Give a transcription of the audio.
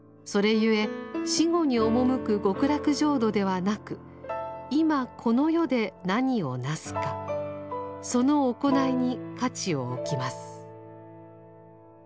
ゆえ死後に赴く極楽浄土ではなく今この世で何をなすかその行いに価値を置きます。